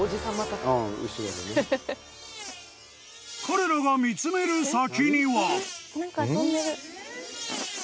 ［彼らが見つめる先には］